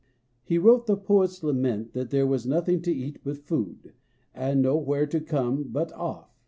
He wrote the poet s lament that there was nothing to eat but food, and nowhere to come but off.